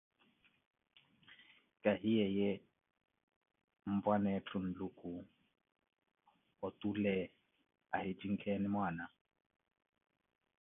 Kahiye, ye mpwaneenu Nluku otule ahi jinkeeni mwaana?